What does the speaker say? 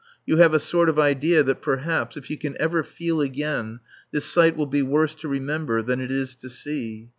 You have a sort of idea that perhaps, if you can ever feel again, this sight will be worse to remember than it is to see.